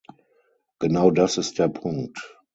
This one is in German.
Genau das ist der Punkt.